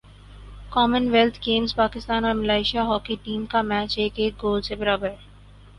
common wealth Games Pakistan اور Malaysia hockey team کا match ایک ایک گول سے برابر